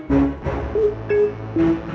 ya pak juna